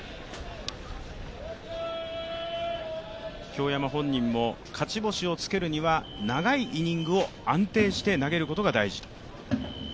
京山本人も勝ち星をつけるには長いイニングを安定して投げることが大事と。